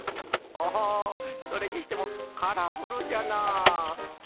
おそれにしてもカラフルじゃな。